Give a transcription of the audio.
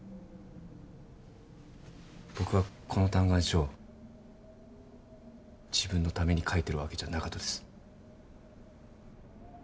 僕はこの嘆願書を自分のために書いてるわけじゃなかとです。